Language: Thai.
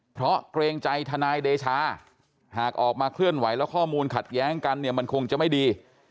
เพราะเกรงใจทนายเดชาหากออกมาเคลื่อนไหวแล้วข้อมูลขัดแย้งกันเนี่ยมันคงจะไม่ดี